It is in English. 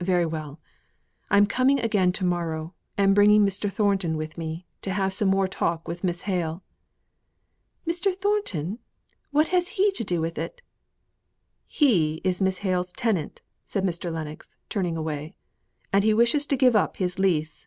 "Very well. I'm coming again to morrow, and bringing Mr. Thornton with me, to have some more talk with Miss Hale." "Mr. Thornton! What has he to do with it?" "He is Miss Hale's tenant," said Mr. Lennox, turning away. "And he wishes to give up his lease."